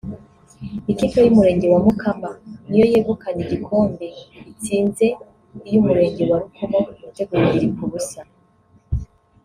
ikipe y’Umurenge wa Mukama niyo yegukanya igikombe itsinze iy’Umurenge wa Rukomo ibitego bibiri ku busa